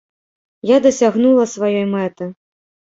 Я дасягнула сваёй мэты.